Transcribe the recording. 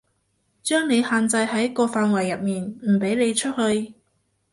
將你限制喺個範圍入面，唔畀你出去